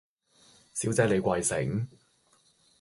小姐你貴姓